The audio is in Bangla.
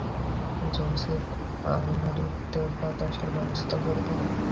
জোসেফ, আলমারিতে বাতাসের ব্যাবস্থা করবেন?